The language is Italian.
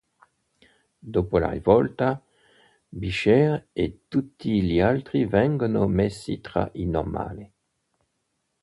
Dopo la rivolta, Beecher e tutti gli altri vengono messi tra i normali.